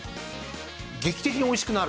劇的においしくなる？